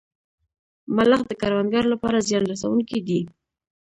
ملخ د کروندو لپاره زیان رسوونکی دی